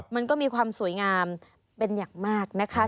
มันก็มีความสวยงามเป็นอย่างมากนะคะ